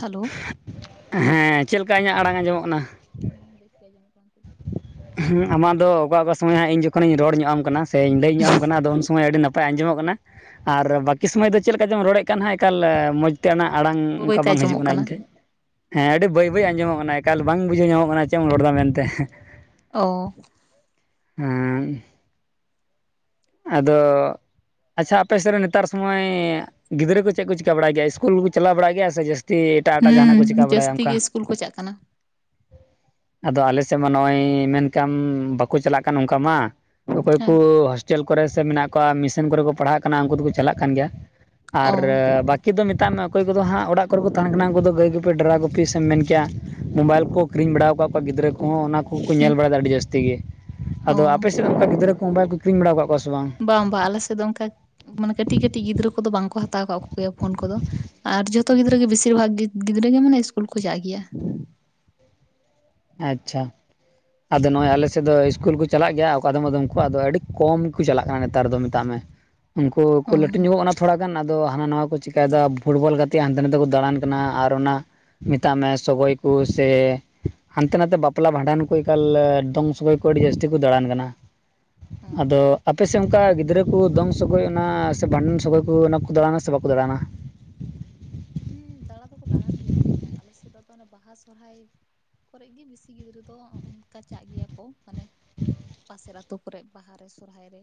Hello. ᱦᱮᱸ, ᱪᱮᱫ ᱞᱮᱠᱟ ᱤᱧᱟᱜ ᱟᱲᱟᱝ ᱟᱸᱡᱚᱢᱚᱜ ᱠᱟᱱᱟ? ᱦᱩᱸ ᱵᱮᱥ ᱜᱮ ᱟᱡᱚᱢᱚᱜ ᱠᱟᱱᱟ ᱱᱤᱛᱚᱜ ᱾ ᱟᱢᱟᱜ ᱫᱚ ᱚᱠᱟ ᱚᱠᱟ ᱥᱚᱢᱚᱭ ᱦᱟᱸᱜ ᱤᱧ ᱡᱚᱠᱷᱚᱱᱤᱧ ᱨᱚᱲ ᱧᱚᱜ ᱟᱢ ᱠᱟᱱᱟ ᱥᱮᱧ ᱞᱟᱹᱭ ᱧᱚᱜ ᱟᱢ ᱠᱟᱱᱟ ᱟᱫᱚ ᱩᱱ ᱥᱚᱢᱚᱭ ᱟᱹᱰᱤ ᱱᱟᱯ ᱟᱸᱡᱚᱢᱚᱜ ᱠᱟᱱᱟ ᱟᱨ ᱟᱪᱪᱷᱟ ᱵᱟᱠᱤ ᱥᱚᱢᱚᱭ ᱫᱚ ᱪᱮᱫ ᱞᱮᱠᱟ ᱪᱚᱢ ᱨᱚᱲᱮᱫ ᱠᱟᱱ ᱦᱟᱸᱜ ᱮᱠᱟᱞ ᱢᱚᱡᱽ ᱛᱮ ᱚᱱᱟ ᱟᱲᱟᱝ ᱵᱟᱹᱭ ᱚᱝᱠᱟ ᱵᱟᱹᱭᱛᱮ ᱵᱟᱝ ᱦᱤᱡᱩᱜ ᱟᱸᱡᱚᱢᱚᱜ ᱠᱟᱱᱟ ᱤᱧ ᱴᱷᱮᱡ᱾ ᱦᱮᱸ ᱟᱹᱰᱤ ᱵᱟᱹᱭ ᱵᱟᱹᱭ ᱟᱸᱡᱚᱢᱚᱜ ᱠᱟᱱᱟ ᱮᱠᱟᱞ ᱵᱟᱝ ᱵᱩᱡᱷᱟᱹᱣ ᱧᱟᱢᱚᱜ ᱠᱟᱱᱟ ᱪᱮᱢ ᱨᱚᱲ ᱫᱟ ᱢᱮᱱᱛᱮ᱾ ᱚᱻ ᱦᱩᱸ᱾ ᱟᱫᱚ ᱟᱪᱪᱷᱟ ᱟᱯᱮ ᱥᱮᱫ ᱨᱮ ᱱᱮᱛᱟᱨ ᱥᱚᱢᱚᱭ ᱜᱤᱫᱽᱨᱟᱹ ᱠᱚ ᱪᱮᱫ ᱠᱚ ᱪᱤᱠᱟᱹ ᱵᱟᱲᱟᱭ ᱜᱮᱭᱟ ᱤᱥᱠᱩᱞ ᱠᱩ ᱪᱟᱞᱟᱣ ᱵᱟᱲᱟᱭ ᱜᱮᱭᱟ? ᱥᱮ ᱡᱟᱹᱥᱛᱤ ᱮᱴᱟᱜ ᱮᱴᱟᱜ ᱡᱟᱦᱟᱱᱟᱜ ᱠᱚ ᱦᱩᱸ ᱪᱤᱠᱟ ᱵᱟᱲᱟᱭᱟ ᱡᱟᱹᱥᱛᱤ ᱜᱮ ᱚᱱᱠᱟ? ᱤᱥᱠᱩᱞ ᱠᱚ ᱪᱟᱜ ᱠᱟᱱᱟ ᱟᱫᱚ ᱟᱞᱮ ᱥᱮᱫ ᱢᱟ ᱱᱚᱜᱼᱚᱭ ᱢᱮᱱ ᱠᱟᱜ ᱟᱢ ᱵᱟᱠᱚ ᱪᱟᱞᱟᱜ ᱠᱟᱱ ᱱᱚᱝᱠᱟ ᱢᱟ᱾ ᱚᱠᱚᱭ ᱠᱩ ᱦᱮᱸ ᱦᱳᱥᱴᱮᱞ ᱠᱚᱨᱮ ᱥᱮ ᱢᱮᱱᱟᱜ ᱠᱚᱣᱟ ᱢᱤᱥᱚᱱ ᱠᱚᱨᱮ ᱠᱚ ᱯᱟᱲᱦᱟᱜ ᱠᱟᱱᱟ ᱩᱱᱠᱩ ᱫᱩᱠᱩ ᱪᱟᱞᱟᱜ ᱠᱟᱱ ᱜᱮᱭᱟ ᱟᱨ ᱚ ᱵᱟᱠ [unintelligible] ᱢᱮᱛᱟᱜ ᱢᱮ ᱚᱠᱚᱭ ᱠᱚᱫᱚ ᱦᱟᱸᱜ ᱚᱲᱟᱜ ᱠᱚᱨᱮ ᱛᱟᱦᱮ ᱠᱟᱱᱟ ᱩᱱᱠᱩ ᱫᱚ ᱜᱟᱹᱭ ᱜᱩᱯᱤ ᱰᱨᱟ ᱜᱩᱯᱤ ᱥᱮᱢ ᱢᱮᱱ ᱠᱮᱭᱟ ᱢᱳᱵᱟᱭᱤᱞ ᱠᱚ ᱠᱤᱨᱤᱧ ᱵᱟᱲᱟ ᱠᱟᱫ ᱠᱚᱣᱟ ᱜᱤᱫᱽᱨᱟᱹ ᱠᱚᱦᱚᱸ ᱚᱱᱟ ᱠᱚᱠᱚ ᱦᱩᱸ ᱧᱮᱞ ᱵᱟᱲᱟ ᱮᱫᱟ ᱟᱹᱰᱤ ᱡᱟᱹᱥᱛᱤ ᱜᱮ᱾ ᱚ ᱟᱫᱚ ᱟᱯᱮ ᱥᱮᱫ ᱚᱱᱠᱟ ᱜᱤᱫᱽᱨᱟᱹ ᱠᱚ ᱢᱳᱵᱟᱭᱤᱞ ᱠᱚ ᱠᱤᱨᱤᱧ ᱵᱟᱲᱟ ᱠᱟᱜ ᱠᱚᱣᱟ ᱥᱮ ᱵᱟᱝ? ᱵᱟᱝ ᱵᱟᱝ ᱟᱞᱮ ᱥᱮᱫ ᱫᱚ ᱚᱱᱠᱟ ᱢᱟᱱᱮ ᱠᱟᱹᱴᱤᱡ ᱠᱟᱹᱴᱤᱡ ᱜᱤᱫᱽᱨᱟᱹ ᱠᱚᱫᱚ ᱵᱟᱝ ᱠᱚ ᱦᱟᱛᱟᱣ ᱠᱟᱫ ᱠᱚᱜᱮᱭᱟ ᱯᱷᱳᱱ ᱠᱚᱫᱚ᱾ ᱟᱨ ᱡᱚᱛᱚ ᱜᱤᱫᱽᱨᱟᱹ ᱜᱮ ᱵᱮᱥᱤᱨ ᱵᱷᱟᱜᱽ ᱜᱤᱫᱽᱨᱟᱹ ᱜᱮ ᱢᱟᱱᱮ ᱥᱤᱥᱠᱩᱞ ᱠᱚ ᱪᱟᱜ ᱜᱮᱭᱟ᱾ ᱟᱪᱪᱷᱟ᱾ ᱟᱫᱚ ᱱᱚᱜᱼᱚᱭ ᱟᱞᱮᱥᱮᱫ ᱫᱚ ᱤᱥᱠᱩᱞ ᱠᱚ ᱪᱟᱞᱟᱜ ᱜᱮᱭᱟ ᱚᱠᱟ ᱟᱫᱚᱢ ᱠᱚ ᱟᱫᱚ ᱟᱹᱰᱤ ᱠᱚᱢ ᱜᱮᱠᱚ ᱪᱟᱞᱟᱜ ᱠᱟᱱᱟ ᱱᱮᱛᱟᱨ ᱫᱚ ᱢᱮᱛᱟᱜ ᱢᱮ᱾ [inaudible] ᱩᱱᱠᱩ ᱠᱚ ᱚ ᱞᱟᱹᱴᱩ ᱧᱚᱜᱚᱜ ᱠᱟᱱᱟ᱾ ᱛᱷᱚᱲᱟ ᱜᱟᱱ ᱟᱫᱚ ᱦᱟᱱᱟ ᱱᱟᱣᱟ ᱠᱚ ᱪᱤᱠᱟᱭ ᱫᱟ ᱯᱷᱩᱴᱵᱚᱞ ᱜᱟᱛᱮᱜ ᱦᱟᱱᱛᱮ ᱱᱟᱛᱮ ᱠᱚ ᱫᱟᱬᱟᱱ ᱠᱟᱱᱟ ᱟᱨ ᱚᱱᱟ ᱢᱮᱛᱟᱜ ᱢᱮ ᱥᱚᱜᱚᱭ ᱠᱚ ᱥᱮ ᱦᱟᱱᱛᱮ ᱱᱟᱛᱮ ᱵᱟᱯᱞᱟ ᱵᱷᱟᱸᱰᱟᱱ ᱠᱚ ᱮᱠᱟᱞ ᱫᱚᱝ ᱥᱚᱜᱚᱭ ᱠᱚ ᱟᱹᱰᱤ ᱡᱟᱹᱥᱛᱤ ᱠᱚ ᱫᱟᱬᱟᱱ ᱠᱟᱱᱟ ᱟᱫᱚᱼᱼ ᱟᱯᱮᱥᱮᱫ ᱚᱱᱠᱟ ᱜᱤᱫᱽᱨᱟᱹ ᱠᱚ ᱫᱚᱝ ᱥᱚᱜᱚᱭ ᱚᱱᱟ ᱥᱮ ᱵᱷᱟᱰᱟᱱ ᱥᱚᱜᱚᱭ ᱠᱚ ᱚᱱᱟ ᱠᱚ ᱫᱟᱬᱟᱱᱟ ᱥᱮ ᱵᱟᱠᱚ ᱫᱟᱬᱟᱱᱟ? ᱦᱮᱸ ᱫᱟᱬᱟ ᱫᱚᱠᱚ ᱫᱟᱬᱟᱱ ᱜᱮᱭᱟ ᱵᱟᱝ ᱫᱚ ᱵᱟᱝ ᱟᱞᱮ ᱥᱮᱫ ᱫᱚ ᱚᱱᱟ ᱵᱟᱦᱟ ᱥᱚᱨᱚᱦᱟᱭ ᱠᱚᱨᱮ ᱜᱮ ᱵᱮᱥᱤ ᱜᱤᱫᱽᱨᱟᱹ ᱫᱚ ᱚᱱᱠᱟ ᱪᱟᱜ ᱜᱮᱭᱟ ᱠᱚ ᱢᱟᱱᱮᱼᱼ ᱯᱟᱥᱮᱨ ᱟᱹᱛᱩᱳ ᱠᱚᱨᱮᱫ ᱵᱟᱦᱟᱨᱮ ᱥᱚᱨᱚᱦᱟᱭ ᱨᱮ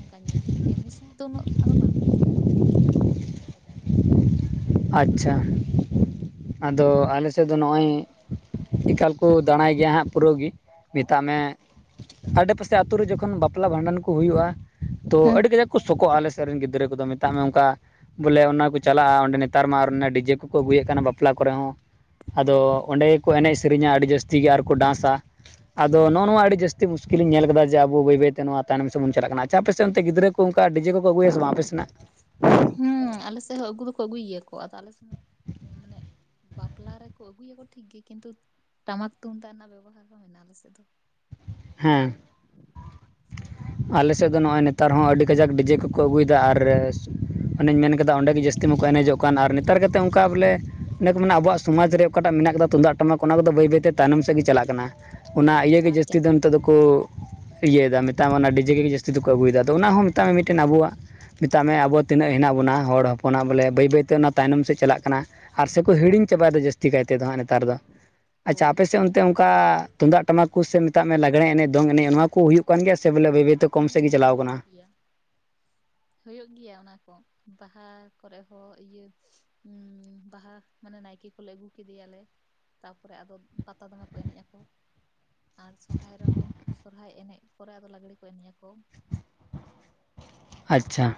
ᱚᱱᱠᱟ ᱧᱮᱞ ᱮᱢᱱᱤ ᱥᱚᱢᱚᱭ ᱫᱚ ᱩᱱᱟᱹᱜ ᱫᱚ ᱵᱟᱝ ᱦᱩᱭᱩᱜ ᱜᱮᱭᱟ ᱛᱚ ᱯᱨᱳᱜᱨᱟᱢ ᱠᱚ ᱪᱟᱞᱟᱜ ᱜᱮᱭᱟ᱾ ᱟᱪᱪᱷᱟ ᱟᱫᱚ ᱟᱞᱮ ᱥᱮᱫ ᱫᱚ ᱱᱚᱜᱼᱚᱭ᱾ ᱮᱠᱟᱞ ᱠᱚ ᱫᱟᱬᱟᱭ ᱜᱮᱭᱟ ᱦᱟᱸᱜ ᱯᱩᱨᱟᱹ ᱜᱮ ᱢᱮᱛᱟᱜ ᱢᱮᱼᱼ ᱟᱰᱮᱯᱟᱥᱮ ᱟᱛᱳ ᱨᱮ ᱡᱚᱠᱷᱚᱱ ᱵᱟᱯᱞᱟ ᱵᱷᱟᱸᱰᱟᱱ ᱠᱚ ᱦᱩᱭᱩᱜᱼᱟ᱾ ᱛᱚ ᱟᱹᱰᱤ ᱠᱟᱡᱟᱠ ᱠᱚ ᱥᱚᱠᱚᱜᱼᱟ ᱟᱞᱮ ᱥᱮᱫ ᱨᱮᱱ ᱜᱤᱫᱽᱨᱟᱹ ᱠᱚᱫᱚ ᱢᱮᱛᱟᱜ ᱢᱮ ᱚᱱᱠᱟ ᱵᱚᱞᱮ ᱚᱱᱟ ᱠᱚ ᱪᱟᱞᱟᱜᱼᱟ ᱚᱸᱰᱮᱼᱼ ᱱᱮᱛᱟᱨ ᱢᱟ ᱚᱱᱮ ᱰᱤᱡᱮ ᱠᱚᱠᱚ ᱟᱹᱜᱩᱭᱮᱫ ᱠᱟᱱᱟ ᱵᱟᱯᱞᱟ ᱠᱚᱨᱮ ᱦᱚᱸ ᱟᱫᱚ ᱦᱮᱸ ᱚᱸᱰᱮᱼᱼ ᱠᱚ ᱮᱱᱮᱡ ᱥᱮᱨᱮᱧᱟ ᱟᱹᱰᱤ ᱡᱟᱹᱥᱛᱤ ᱜᱮ ᱟᱨᱠᱚ ᱰᱟᱱᱥᱟ ᱟᱫᱚ ᱚ ᱱᱚᱜᱼᱚ ᱱᱚᱣᱟ ᱟᱹᱰᱤ ᱡᱟᱹᱥᱛᱤᱼᱼ ᱢᱩᱥᱠᱤᱞᱧ ᱧᱮᱞ ᱠᱮᱫᱟ ᱡᱮ ᱟᱵᱚ ᱵᱟᱹᱭ ᱵᱟᱹᱭᱛᱮ ᱱᱚᱣᱟ ᱛᱟᱭᱱ ᱥᱮᱫ ᱵᱚᱱ ᱪᱟᱞᱟᱜ ᱠᱟᱱᱟ ᱟᱪᱪᱷᱟ ᱟᱯᱥᱮᱜ ᱚᱱᱛᱮ ᱜᱤᱫᱽᱨ ᱠᱚ ᱚᱱᱠᱟ ᱰᱤᱡᱮ ᱠᱚᱠᱚ ᱟᱹᱜᱩᱭᱟ ᱥᱮ ᱵᱟᱝ ᱟᱯᱮ ᱥᱮᱱᱟᱜ? ᱦᱮᱸ ᱟᱞᱮ ᱥᱮᱫ ᱦᱚᱸ ᱟᱹᱜᱩ ᱫᱚᱠᱚ ᱟᱹᱜᱩᱭ ᱜᱮᱭᱟᱠᱚ ᱟᱫᱚ ᱟᱞᱮ ᱥᱮᱫ ᱦᱚᱸ ᱢᱟᱱᱮ [inaudible] ᱵᱟᱯᱞᱟ ᱨᱮᱠᱚ ᱟᱹᱜᱩᱭᱟᱠᱚ ᱴᱷᱤᱠ ᱜᱮ ᱠᱤᱱᱛᱩ ᱴᱟᱢᱟᱠ ᱛᱩᱢᱫᱟᱜ ᱨᱮᱱᱟᱜ ᱵᱮᱵᱚᱦᱟᱨ ᱦᱚᱸᱼᱼ ᱟᱞᱮᱥᱮ ᱫᱚ ᱦᱮᱸ ᱟᱞᱮ ᱥᱮᱫ ᱛᱟᱯᱚᱨᱮ ᱫᱚ ᱱᱚᱜᱼᱚᱭᱼᱼ ᱱᱮᱛᱟᱨᱦᱚᱸ ᱟᱹᱰᱤ ᱠᱟᱡᱟᱠ ᱰᱤᱡᱮ ᱠᱚᱠᱚ ᱟᱹᱜᱩᱭᱮᱫᱟ ᱟᱨ ᱚᱱᱮᱧ ᱢᱮᱱ ᱠᱮᱫᱟ ᱚᱸᱰᱮᱜ ᱜᱮ ᱡᱟᱹᱥᱛᱤ ᱢᱟᱠᱚ ᱮᱱᱮᱡᱚᱜᱼᱼ ᱟᱨ ᱱᱮᱛᱟᱨ ᱠᱟᱛᱮ ᱚᱱᱠᱟ ᱵᱚᱞᱮ ᱚᱱᱮᱠᱚ ᱢᱟᱱᱮ ᱟᱵᱚᱣᱟᱜ ᱥᱚᱢᱟᱡᱽ ᱨᱮ ᱚᱠᱟᱴᱟᱜ ᱢᱮᱱᱟᱜ ᱠᱟᱫᱟ ᱛᱩᱢᱫᱟᱜ ᱴᱟᱢᱟᱠ ᱠᱚᱼᱼ ᱚᱱᱟ ᱠᱚᱫᱚ ᱵᱟᱹᱭ ᱵᱟᱹᱭᱛᱮ ᱛᱟᱭᱱᱚᱢ ᱥᱮᱫ ᱜᱮ ᱪᱟᱞᱟᱜ ᱠᱟᱱᱟ ᱚᱱᱟ ᱦᱳᱭ ᱦᱳᱭ ᱤᱭᱟᱹ ᱜᱮ ᱟᱫ ᱡᱟᱹᱥᱛᱤᱼᱼ ᱪᱟᱜ ᱠᱟᱱᱟ ᱠᱚ ᱤᱭᱟᱹᱭᱮᱫᱟ ᱢᱮᱛᱟᱜ ᱢᱮ ᱚᱱᱟ ᱰᱤᱡᱮ ᱡᱟᱹᱥᱛᱤ ᱫᱚᱠᱚ ᱟᱹᱜᱩᱭᱮᱫᱟ ᱟᱫᱚ ᱚᱱᱟ ᱦᱚᱸ ᱢᱮᱛᱟᱜ ᱢᱮ ᱢᱤᱫᱴᱮᱱ ᱟᱵᱚᱣᱟᱜ ᱢᱮᱛᱟᱜ ᱢᱮ ᱟᱵᱚ ᱛᱤᱱᱟᱹᱜ ᱦᱮᱱᱟᱜ ᱵᱚᱱᱟ ᱦᱚᱲ ᱦᱚᱯᱚᱱ ᱵᱚᱞᱮ ᱵᱟᱹᱭ ᱵᱟᱹᱭᱛᱮ ᱚᱱᱟ ᱛᱟᱭᱱᱚᱢ ᱥᱮᱫ ᱪᱟᱞᱟᱜ ᱠᱟᱱᱟ᱾ ᱟᱨ ᱥᱮ ᱠᱚ ᱦᱤᱲᱤᱧ ᱪᱟᱵᱟᱭ ᱫᱚ ᱡᱟᱹᱛᱤᱼᱼ ᱡᱟᱥᱛᱤ ᱠᱟᱭ ᱛᱮᱫᱚ ᱦᱟᱸᱜ ᱱᱮᱛᱟᱨ ᱫᱚ ᱟᱪᱪᱷᱟ ᱦᱳᱭ ᱟᱯᱮᱥᱮᱫ ᱚᱱᱛᱮ ᱚᱱᱠᱟ ᱛᱩᱢᱫᱟᱜ ᱴᱟᱢᱟᱠ ᱠᱚ ᱥᱮᱼᱼ ᱢᱮᱛᱟᱜ ᱢᱮ ᱞᱟᱜᱽᱲᱮ ᱮᱱᱮᱡ ᱫᱚᱝ ᱮᱱᱮᱡ ᱱᱚᱣᱟ ᱠᱚ ᱦᱩᱭᱩᱜ ᱠᱟᱱ ᱜᱮᱭᱟ ᱥᱮ ᱵᱚᱞᱮ ᱵᱟᱹᱭ ᱵᱟ. ᱭ ᱛᱮᱼᱼ ᱦᱮᱸ ᱦᱩᱭᱩᱜ ᱜᱮᱭᱟ᱾ ᱦᱩᱭᱩᱜ ᱜᱮᱭᱟ ᱚᱱᱟ ᱠᱚ ᱵᱟᱦᱟ ᱠᱚᱨᱮ ᱦᱚᱸ ᱤᱭᱟᱹ᱾ ᱵᱟᱦᱟ ᱢᱟᱱᱮ ᱱᱟᱭᱠᱮ ᱠᱚᱞᱮ ᱟ. ᱜᱩ ᱠᱮᱫᱮᱭᱟᱞᱮ ᱛᱟᱯᱚᱨᱮ ᱟᱫᱚ ᱯᱟᱛᱟ ᱫᱚᱢᱮ ᱠᱚ ᱮᱱᱮᱡ ᱟᱠᱚ᱾ ᱟᱨ ᱥᱚᱨᱦᱟᱭ ᱨᱮᱦᱚᱸ ᱥᱚᱨᱦᱟᱭ ᱮᱱᱮᱡ ᱯᱚᱨᱮ ᱟᱫᱚ ᱞᱟᱜᱽᱲᱮ ᱠᱚ ᱮᱱᱮᱡ ᱟᱠᱚ ᱟᱪᱪᱷᱟ